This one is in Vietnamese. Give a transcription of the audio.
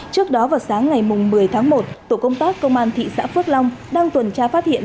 trước đó vào sáng ngày một mươi tháng một tổ công tác công an thị xã phước long đang tuần tra phát hiện